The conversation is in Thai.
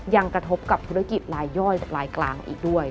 ยังกระทบกับธุรกิจลายย่อยลายกลางอีกด้วย